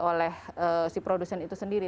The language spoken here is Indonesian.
oleh si produsen itu sendiri